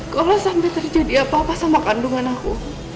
kalau sampai terjadi apa apa sama kandungan aku